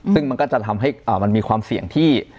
ซึ่งมันก็จะทำให้มันมีความเสี่ยงที่